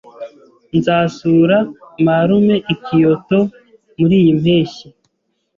Nzasura marume i Kyoto muriyi mpeshyi.